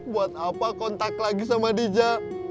buat apa kontak lagi sama dija